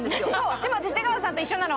でも私、出川さんと一緒なの！